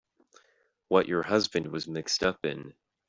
What your husband was mixed up in.